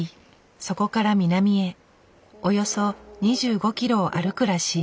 そこから南へおよそ２５ｋｍを歩くらしい。